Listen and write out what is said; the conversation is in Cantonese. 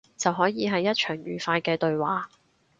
就可以係一場愉快嘅對話